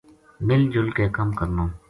” مِل جُل کے کَم کرنو “